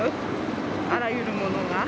あらゆるものが。